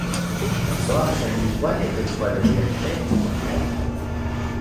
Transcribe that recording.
Noso axan yi kuali techpaleuia tej iuan nej.